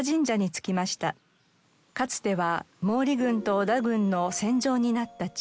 かつては毛利軍と織田軍の戦場になった地。